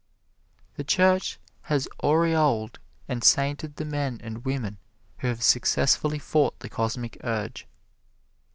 The Church has aureoled and sainted the men and women who have successfully fought the Cosmic Urge.